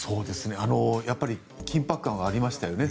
やっぱり緊迫感がありましたね。